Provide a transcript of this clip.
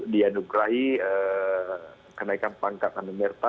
dianugrahi kenaikan pangkat anumerta